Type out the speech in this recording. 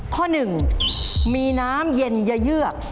ข้อหนึ่งมีน้ำเย็นเยือก